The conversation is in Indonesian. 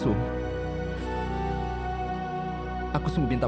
sudah sembilan belas tahun dia menghilang